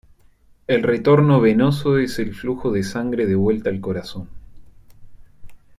El retorno venoso es el flujo de sangre de vuelta al corazón.